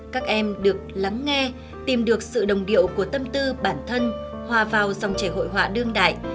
các em được lắng nghe tìm được sự đồng điệu của tâm tư bản thân hòa vào dòng trẻ hội họa đương đại